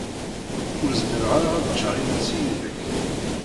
Ur zmireɣ ara ad ččeɣ imensi yid-k.